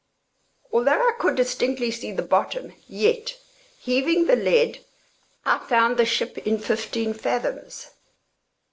Although I could distinctly see the bottom, yet, heaving the lead, I found the ship in fifteen fathoms.